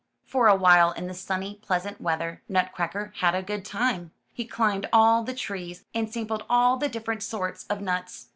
For a while in the sunny, pleasant weather. Nut cracker had a good time. He climbed all the trees, and sampled all the different sorts of nuts.